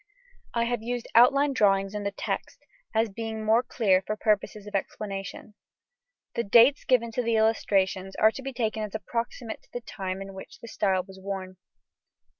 I have used outline drawings in the text, as being more clear for purposes of explanation. The dates given to the illustrations are to be taken as approximate to the time in which the style was worn.